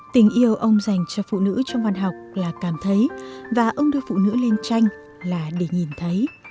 tình yêu ông dành cho phụ nữ trong văn học là cảm thấy và ông đưa phụ nữ lên tranh là để nhìn thấy